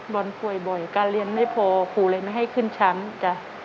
บอลป่วยบ่อยการเรียนไม่พอครูเลยไม่ให้ขึ้นชั้นจ้ะ